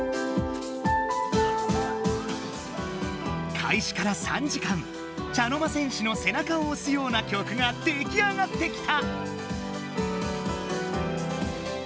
かいしから３時間茶の間戦士のせなかをおすような曲が出来上がってきた！